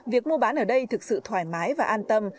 việc mua bán ở đây thực sự thoải mái và an tâm